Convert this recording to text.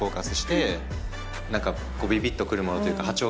ビビっとくるものというか。